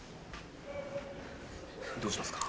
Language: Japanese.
どうしますか？